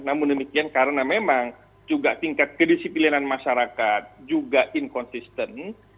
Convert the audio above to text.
namun demikian karena memang juga tingkat kedisiplinan masyarakat juga inkonsisten